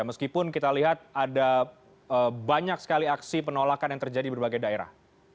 meskipun kita lihat ada banyak sekali aksi penolakan yang terjadi di berbagai daerah